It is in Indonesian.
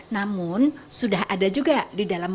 namun sudah ada juga di dalam